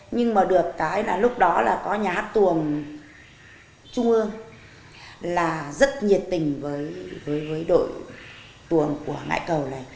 nhưng mà được cái là lúc đó là có nhà hát tuồng trung ương là rất nhiệt tình đối với đội tuồng của ngãi cầu này